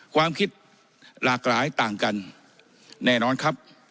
ความคิดหลากหลายต่างกันแน่นอนครับ